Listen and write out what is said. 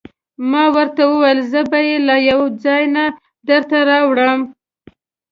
ما ورته وویل: زه به يې له یوه ځای نه درته راوړم.